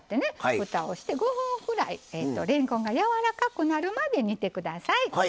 ふたをして５分ぐらいれんこんがやわらかくなるまで煮てください。